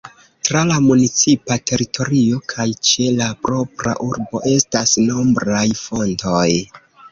Tra la municipa teritorio kaj ĉe la propra urbo estas nombraj fontoj.